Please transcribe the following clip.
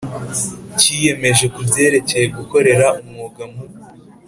Cyiyemeje ku byerekeye gukorera umwuga mu